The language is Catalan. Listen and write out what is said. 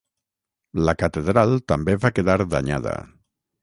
La catedral també va quedar danyada.